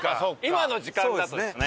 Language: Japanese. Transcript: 今の時間だとですね。